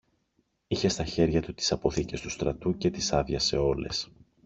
Είχε στα χέρια του τις αποθήκες του στρατού και τις άδειασε όλες.